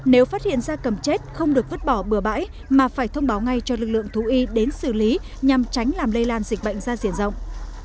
nếu phát hiện da cầm chết không được vứt bỏ bừa bãi mà phải thông báo ngay cho lực lượng thú y đến xử lý nhằm tránh làm lây lan dịch bệnh ra diện rộng